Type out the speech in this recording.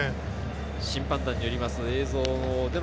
審判団によります映像の